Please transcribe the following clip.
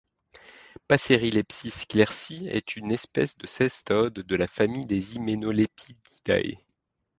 Passerilepis clerci, est une espèce de cestodes de la famille des Hymenolepididae.